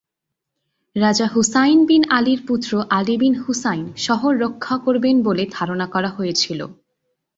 রাজা Hussein bin আলির পুত্র আলি বিন হুসাইন শহর রক্ষা করবেন বলে ধারণা করা হয়েছিল।